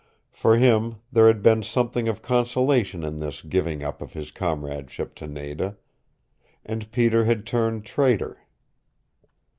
For him there had been something of consolation in this giving up of his comradeship to Nada. And Peter had turned traitor.